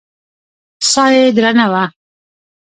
ساه يې درنه وه.